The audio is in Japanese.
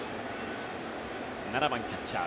７番キャッチャー